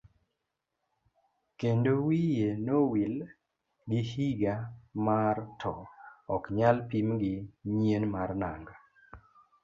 Kendo wiye nowil ni higa mar to ok nyal pim gi nyien mar nanga.